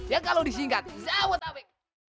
yang kalau disingkat zawo tawek